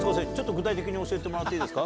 具体的に教えてもらっていいですか？